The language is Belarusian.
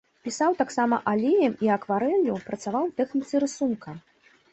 Пісаў таксама алеем і акварэллю, працаваў у тэхніцы рысунка.